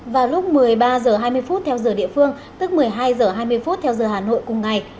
vào lúc một mươi ba h hai mươi theo giờ địa phương tức một mươi hai h hai mươi theo giờ hà nội cùng ngày